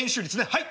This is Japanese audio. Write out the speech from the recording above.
はい！